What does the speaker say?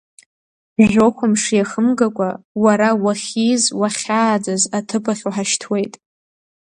Жәохәмыш иахымгакәа, уара уахьиз уахьааӡаз аҭыԥ ахь уҳашьҭуеит.